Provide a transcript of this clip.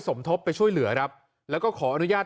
สมทบไปช่วยเหลือครับแล้วก็ขออนุญาต